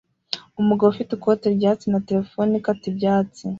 Umugabo ufite ikoti ryatsi na terefone ikata ibyatsi